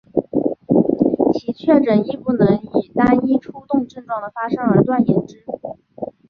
其确诊亦不能以单一抽动症状的发生而断言之。